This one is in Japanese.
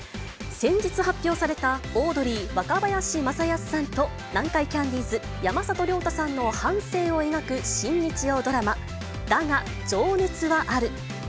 先日発表されたオードリー・若林正恭さんと南海キャンディーズ・山里亮太さんの半生を描く新日曜ドラマ、だが、情熱はある。